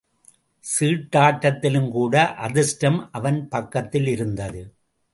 சீட்டாட்டத்திலுங்கூட அதிர்ஷ்டம் அவன் பக்கத்திலிருந்தது.